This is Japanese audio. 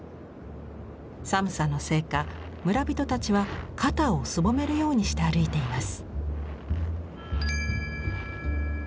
寒さのせいか村人たちは肩をすぼめるようにして歩いています。